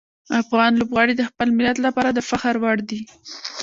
افغان لوبغاړي د خپل ملت لپاره د فخر وړ دي.